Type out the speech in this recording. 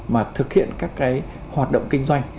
mà thực hiện các hoạt động kinh doanh